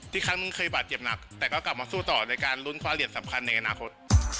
ครั้งนึงเคยบาดเจ็บหนักแต่ก็กลับมาสู้ต่อในการลุ้นคว้าเหรียญสำคัญในอนาคต